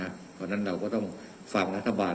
เพราะฉะนั้นเราก็ต้องฟังรัฐบาล